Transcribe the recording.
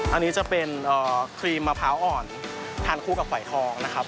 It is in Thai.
อันนี้จะเป็นครีมมะพร้าวอ่อนทานคู่กับฝอยทองนะครับ